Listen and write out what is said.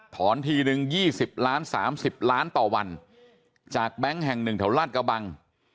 ถอนทีนึง๒๐ล้าน๓๐ล้านต่อวันจากแบงค์แห่งหนึ่งเท่าราชกระบัง